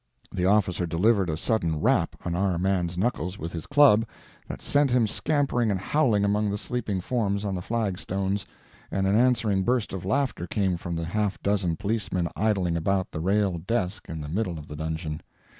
The officer delivered a sudden rap on our man's knuckles with his club, that sent him scampering and howling among the sleeping forms on the flag stones, and an answering burst of laughter came from the half dozen policemen idling about the railed desk in the middle of the dungeon.